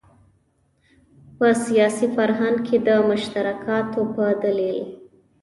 په سیاسي فرهنګ کې د مشترکاتو په دلیل.